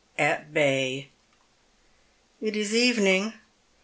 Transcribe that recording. AT BAT. It is evening.